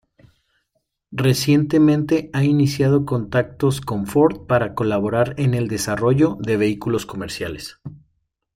Recientemente ha iniciado contactos con Ford para colaborar en el desarrollo de vehículos comerciales.